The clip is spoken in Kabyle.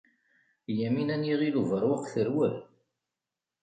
Yamina n Yiɣil Ubeṛwaq terwel.